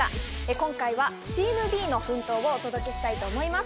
今日はチームＢの奮闘をお届けしたいと思います。